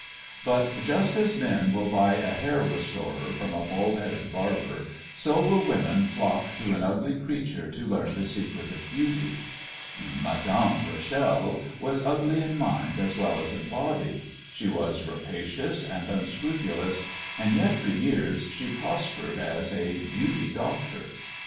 But just as men will buy a hair restorer from a bald headed barber so will women flock to an ugly creature to learn the secret of beauty. Madame Rachel was ugly in mind as well as in body; she was rapacious and unscrupulous, and yet for years she prospered as a "beauty doctor."